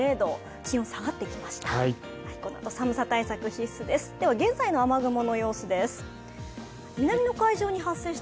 気温が下がってきました。